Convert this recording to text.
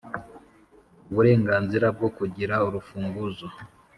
uburenganzira bwo kugira urufunguzo